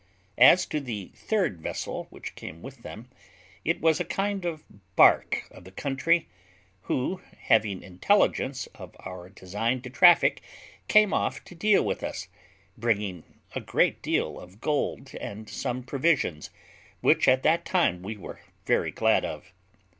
As to the third vessel which came with them, it was a kind of bark of the country, who, having intelligence of our design to traffic, came off to deal with us, bringing a great deal of gold and some provisions, which at that time we were very glad of.